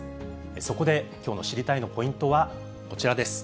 そこできょうの知りたいッ！のポイントはこちらです。